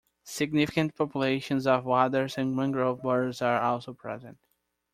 Significant populations of waders and mangrove birds are also present.